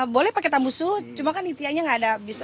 boleh pakai tambusu cuma kan intianya nggak ada